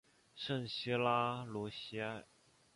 圣西拉罗西埃。